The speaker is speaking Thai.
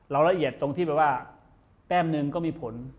เราละเอียดตรงที่แป้มหนึ่งก็มีผล